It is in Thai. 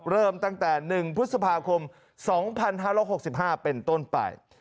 เริ่มตั้งแต่๑พฤษภาคม๒๕๖๕เป็นต้นไป